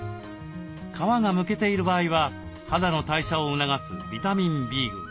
皮がむけている場合は肌の代謝を促すビタミンＢ群。